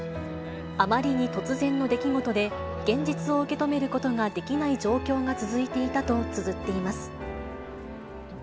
あまりに突然の出来事で、現実を受け止めることができない状況が続いていたとつづっています。